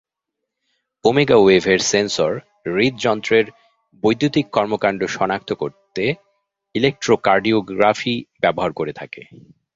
ওমেগাওয়েভের sensor হূদ্যন্ত্রের বৈদ্যুতিক কর্মকাণ্ড শনাক্ত করতে ইলেকট্রোকার্ডিওগ্রাফি ব্যবহার করে থাকে।